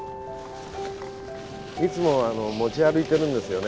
いつも持ち歩いてるんですよね。